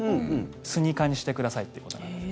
スニーカーにしてくださいってことなんです。